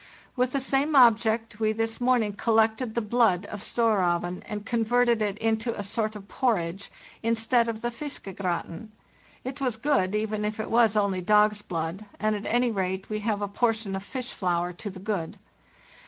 With the same object, we this morning collected the blood of 'Storraeven' and converted it into a sort of porridge instead of the 'fiskegratin.' It was good, even if it was only dog's blood, and at any rate we have a portion of fish flour to the good.